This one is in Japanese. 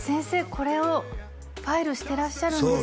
これをファイルしてらっしゃるんですね